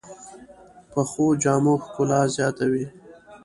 پخو جامو ښکلا زیاته وي